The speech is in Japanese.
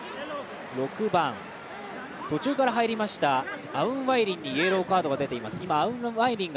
６番、途中から入りましたアウンワイリンにイエローカードが出てます。